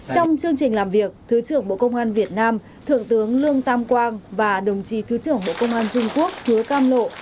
trong chương trình làm việc thứ trưởng bộ công an việt nam thượng tướng lương tam quang và đồng chí thứ trưởng bộ công an trung quốc thiếu cam lộ